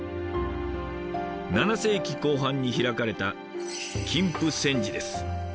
７世紀後半に開かれた金峯山寺です。